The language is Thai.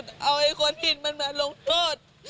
ที่สูตรเอาไอ้คนผิดมันมาลงโทษ